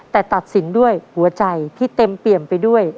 แต่ตัดสินด้วยหัวใจที่เต็มเปี่ยมไปด้วย